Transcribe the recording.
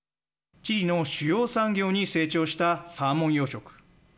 チリの主要産業に成長したサーモン養殖。